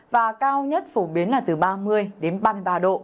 và cao nhất phổ biến là từ ba mươi đến ba mươi ba độ